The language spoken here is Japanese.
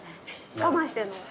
我慢してんの？